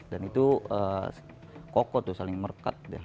dan itu koko tuh saling merekat